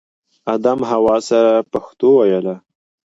ادم حوا سره پښتو ویله